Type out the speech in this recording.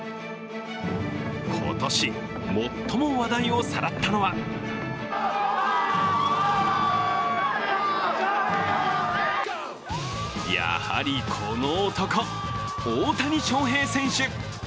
今年、最も話題をさらったのはやはりこの男、大谷翔平選手。